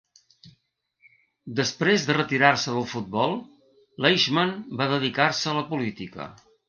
Després de retirar-se del futbol, Leishman va dedicar-se a la política.